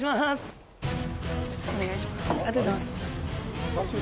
お願いします。